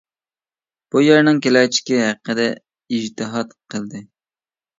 بۇ يەرنىڭ كېلەچىكى ھەققىدە ئىجتىھات قىلدى.